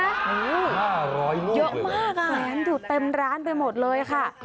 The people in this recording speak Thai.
แแสงอยู่เต็มร้านไปหมดเลยค่ะ